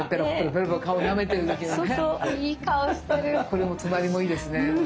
これも隣もいいですね。